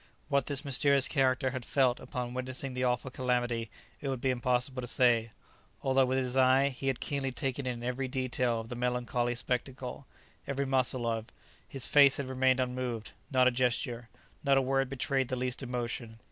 What this mysterious character had felt upon witnessing the awful calamity it would be impossible to say. Although with his eye he had keenly taken in every detail of the melancholy spectacle, every muscle of, his face had remained unmoved; not a gesture, not a word betrayed the least emotion.